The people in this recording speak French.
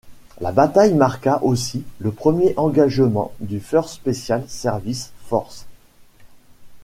La bataille marqua aussi le premier engagement du First Special Service Force.